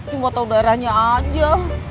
cuma tahu daerahnya aja